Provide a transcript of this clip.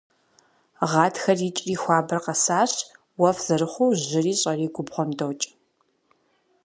Гъатхэр икӏри хуабэр къэсащ, уэфӏ зэрыхъуу жьыри щӏэри губгъуэм докӏ.